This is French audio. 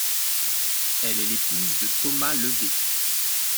Elle est l'épouse de Thomas Levet.